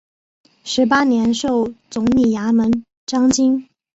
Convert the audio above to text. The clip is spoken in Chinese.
十八年授总理衙门章京。